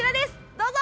どうぞ！